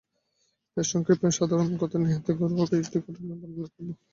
তাই সংক্ষেপে এবং সাধারণ কথায় নেহাত ঘরোয়া কয়েকটি ঘটনা বর্ণনা করব।